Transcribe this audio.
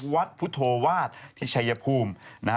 วัดพุทโภวาสที่ชายภูมิ